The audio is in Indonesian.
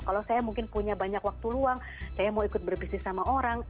kalau saya mungkin punya banyak waktu luang saya mau ikut berbisnis sama orang